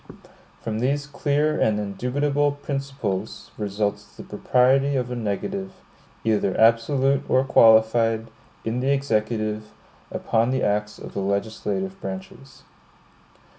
From these clear and indubitable principles results the propriety of a negative, either absolute or qualified, in the Executive, upon the acts of the legislative branches.